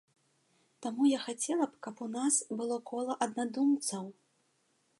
Таму я хацела б, каб у нас было кола аднадумцаў.